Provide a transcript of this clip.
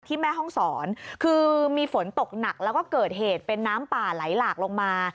แม่ห้องศรคือมีฝนตกหนักแล้วก็เกิดเหตุเป็นน้ำป่าไหลหลากลงมา